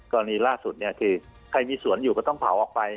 ล่าสุดเนี่ยคือใครมีสวนอยู่ก็ต้องเผาออกไป